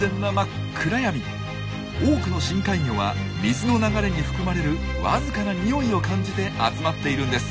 多くの深海魚は水の流れに含まれるわずかな匂いを感じて集まっているんです。